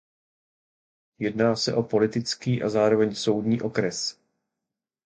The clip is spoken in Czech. Jedná se o politický a zároveň soudní okres.